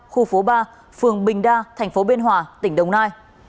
khu phố ba phường bình đa thành phố biên hòa tỉnh đồng nai